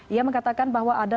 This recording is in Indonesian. ia mengatakan bahwa ada